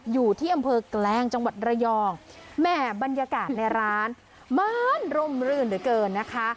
อยู่ที่อำเภอแกลงจังหวัดระยองแหม่บรรยากาศในร้านมันร่มรื่นเหลือเกินนะคะ